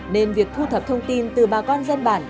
nên việc thu thập thông tin từ bà con dân bản